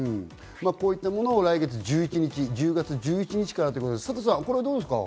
こういったものを来月１１日、１０月１１日からということで、サトさん、どうですか？